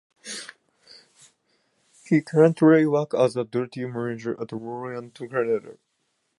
He currently works as a duty manager at Walmart Canada.